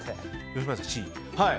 吉村さんはＣ。